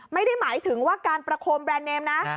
ไม่ได้หมายถึงว่าการประโคมแบรนด์เนมนะ